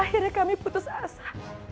akhirnya kami putus asa